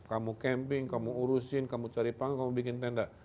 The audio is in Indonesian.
kamu camping kamu urusin kamu cari pangkal kamu bikin tenda